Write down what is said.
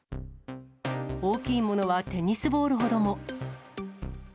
大きいものはテニスボールほども。